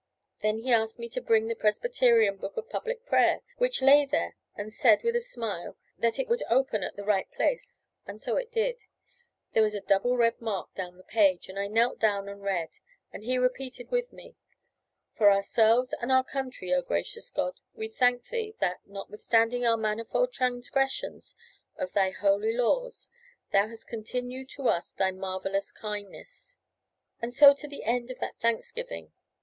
Then he asked me to bring the Presbyterian "Book of Public Prayer" which lay there, and said, with a smile, that it would open at the right place and so it did. There was his double red mark down the page; and I knelt down and read, and he repeated with me, "For ourselves and our country, O gracious God, we thank Thee, that, notwithstanding our manifold transgressions of Thy holy laws, Thou hast continued to us Thy marvellous kindness," and so to the end of that thanksgiving.